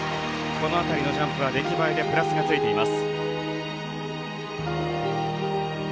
この辺りのジャンプは出来栄えでプラスがついています。